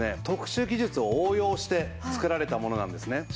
特殊技術を応用して作られたものなんですね。